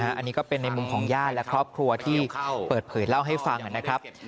อันนี้ก็เป็นในมุมของญาติและครอบครัวที่เปิดเผยเล่าให้ฟังนะครับ